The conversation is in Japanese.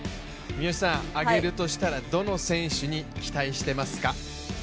挙げるとしたらどの選手に期待してますか？